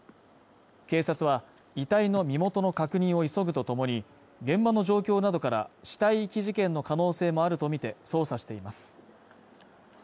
警察は遺体の身元の確認を急ぐとともに現場の状況などから死体遺棄事件の可能性もあるとみて捜査しています